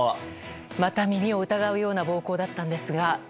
また耳を疑うような暴行だったんですが。